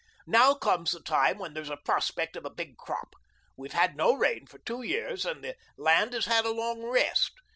Now comes the time when there's a prospect of a big crop; we've had no rain for two years and the land has had a long rest.